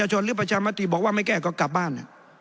ชนหรือประชามติบอกว่าไม่แก้ก็กลับบ้าน